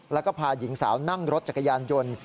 แล้วก็พาหญิงสาวนั่งรถจักรยานยนต์